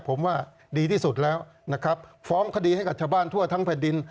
ผมว่าดีที่สุดแล้วนะครับฟ้องคดีให้กับชาวบ้านทั่วทั้งแผ่นดิน